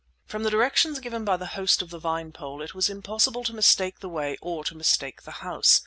From the directions given by the host of the Vinepole it was impossible to mistake the way or to mistake the house.